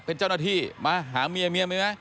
เป็นเจ้าหน้าที่มาหาเมียเมียมีไหม